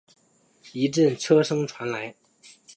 一阵车声传来